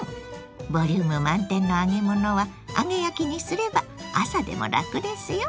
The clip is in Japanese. ボリューム満点の揚げ物は揚げ焼きにすれば朝でもラクですよ。